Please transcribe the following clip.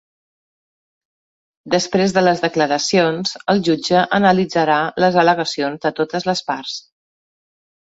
Després de les declaracions, el jutge analitzarà les al·legacions de totes les parts.